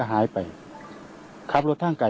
ล่ายคว้างสิ